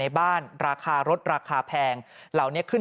ปี๖๕วันเกิดปี๖๔ไปร่วมงานเช่นเดียวกัน